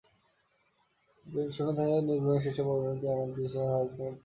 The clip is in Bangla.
শূন্য থেকে নিজ গুণে শীর্ষে পৌঁছানোর অনন্য দৃষ্টান্ত স্থাপন করেছেন তিনি।